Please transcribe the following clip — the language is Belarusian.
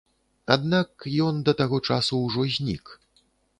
Аднак ён да таго часу ўжо знік.